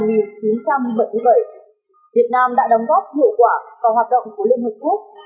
việt nam đã đóng góp hiệu quả và hoạt động của liên hợp quốc